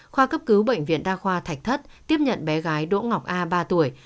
khoa cấp cứu bệnh viện đa khoa thạch thất tiếp nhận bé gái đỗ ngọc a ba tuổi